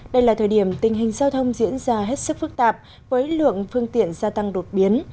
đây là thời điểm tình hình giao thông diễn ra hết sức phức tạp với lượng phương tiện gia tăng đột biến